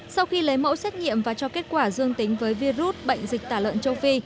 sau khi lấy mẫu xét nghiệm và cho kết quả dương tính với virus bệnh dịch tả lợn châu phi